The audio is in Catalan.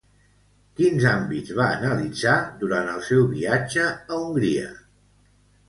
Quins àmbits va analitzar durant el seu viatge a Hongria?